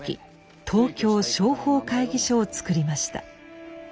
東京商法会議所を作りました。